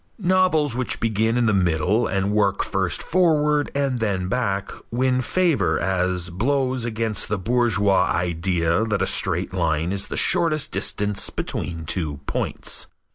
Novels which begin in the middle and work first forward and then back, win favor as blows against the bourgeois idea that a straight line is the shortest distance between two points.